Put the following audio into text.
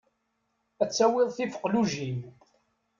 Ad d-tawiḍ tifeqlujin.